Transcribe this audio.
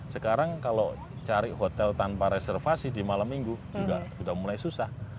sekarang kalau cari hotel tanpa reservasi di malam minggu juga sudah mulai susah